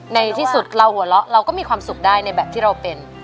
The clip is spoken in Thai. ในที่สุดเราหัวเราะเราก็มีความสุขได้ในแบบที่เราเป็น